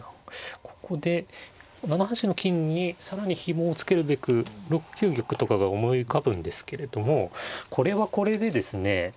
ここで７八の金に更にひもを付けるべく６九玉とかが思い浮かぶんですけれどもこれはこれでですね